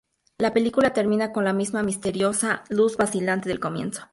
La película termina con la misma misteriosa luz vacilante del comienzo.